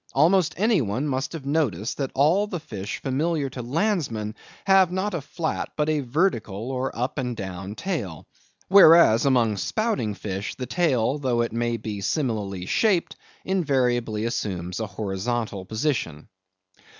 Almost any one must have noticed that all the fish familiar to landsmen have not a flat, but a vertical, or up and down tail. Whereas, among spouting fish the tail, though it may be similarly shaped, invariably assumes a horizontal position.